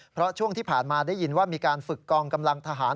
เพราะช่วงที่ผ่านมาได้ยินว่ามีการฝึกกองกำลังทหาร